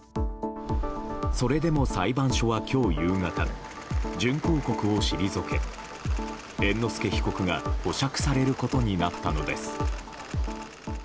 それでも裁判所は今日夕方準抗告を退け猿之助被告が保釈されることになったのです。